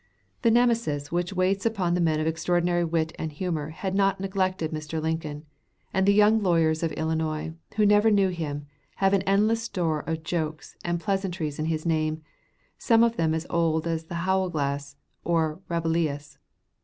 The Nemesis which waits upon men of extraordinary wit or humor has not neglected Mr. Lincoln, and the young lawyers of Illinois, who never knew him, have an endless store of jokes and pleasantries in his name; some of them as old as Howleglass or Rabelais.